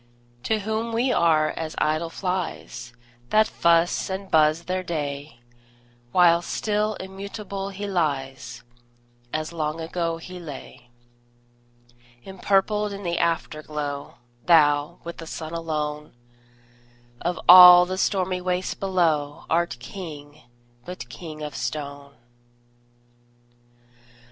To whom we are as idle flies, That fuss and buzz their day; While still immutable he lies, As long ago he lay. Empurpled in the Afterglow, Thou, with the Sun alone, Of all the stormy waste below, Art King, but king of stone!